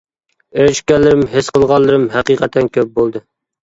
ئېرىشكەنلىرىم، ھېس قىلغانلىرىم ھەقىقەتەن كۆپ بولدى.